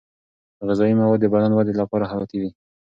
غذايي مواد د بدن ودې لپاره حیاتي دي.